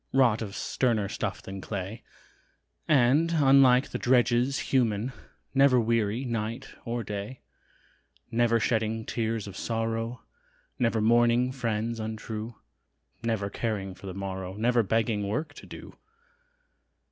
Wrought of sterner stuff than clay; And, unlike the drudges human, Never weary night or day; Never shedding tears of sorrow, Never mourning friends untrue, Never caring for the morrow, Never begging work to do.